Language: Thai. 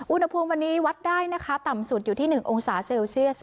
อุณหภูมิวันนี้วัดได้นะคะต่ำสุดอยู่ที่๑องศาเซลเซียส